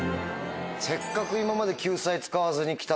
せっかく今まで救済使わずに来たのに。